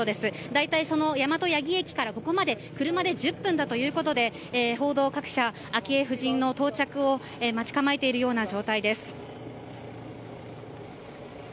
大体、大和八木駅からここまで車で１０分だということで報道各社、昭恵夫人の到着を待ち構えている状態です。